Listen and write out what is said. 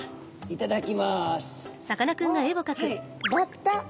「いただきます」。